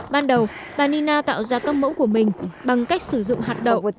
ban đầu bà nina tạo ra các mẫu của mình bằng cách sử dụng hạt đậu